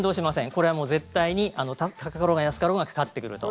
これは絶対に高かろうが安かろうがかかってくると。